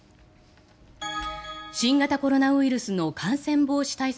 新型コロナウイルスの感染防止対策